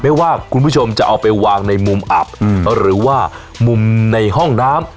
ว่าคุณผู้ชมจะเอาไปวางในมุมอับหรือว่ามุมในห้องน้ำ